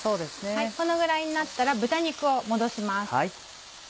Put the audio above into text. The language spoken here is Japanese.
このぐらいになったら豚肉を戻します。